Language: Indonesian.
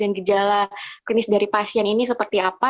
dan klinis dari pasien ini seperti apa